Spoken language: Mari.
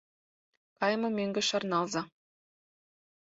Кайыме мӧҥгӧ шарналза.